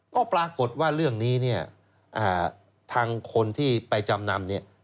ก็ปรากฏว่าเรื่องนี้ทางคนที่ไปจำนำ